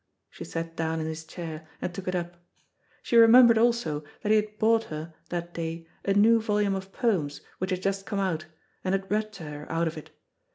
She sat down in his chair and took it up. She remembered also that he had bought her that day a new volume of poems which had just come out, and had read to her out of it.